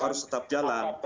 harus tetap jalan